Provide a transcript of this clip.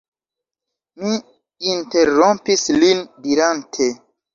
Mi interrompis lin dirante: